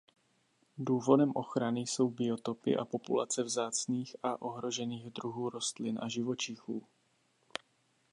Důvodem ochrany jsou biotopy a populace vzácných a ohrožených druhů rostlin a živočichů.